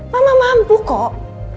mama mampu kok